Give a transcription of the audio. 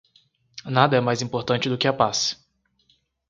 Nada é mais importante do que a paz.